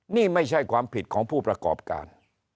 นี่ไม่ใช่ความผิดของผู้ประกอบการ